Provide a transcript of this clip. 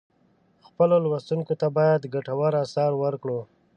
خپلو لوستونکو ته باید ګټور آثار ورکړو.